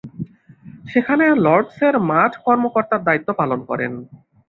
সেখানে লর্ডসের মাঠ কর্মকর্তার দায়িত্ব পালন করেন।